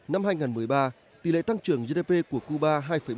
năm hai nghìn một mươi ba tỷ lệ tăng trưởng gdp của cuba hai bảy